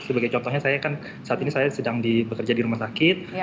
sebagai contohnya saya kan saat ini saya sedang bekerja di rumah sakit